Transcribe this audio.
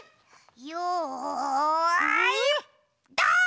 よいドン！